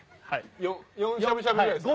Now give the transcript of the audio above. ４しゃぶしゃぶぐらいですか？